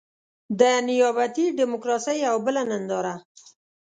د نيابتي ډيموکراسۍ يوه بله ننداره.